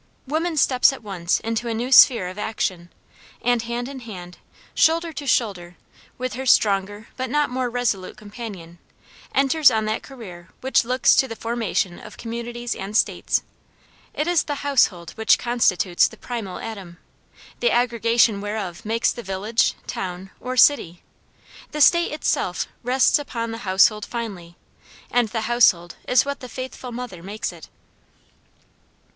Woman steps at once into a new sphere of action, and hand in hand, shoulder to shoulder, with her stronger but not more resolute companion, enters on that career which looks to the formation of communities and states. It is the household which constitutes the primal atom, the aggregation whereof makes the village, town, or city; the state itself rests upon the household finally, and the household is what the faithful mother makes it.